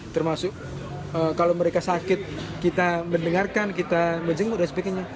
termasuk kalau mereka sakit kita mendengarkan kita menjenguk dan sebagainya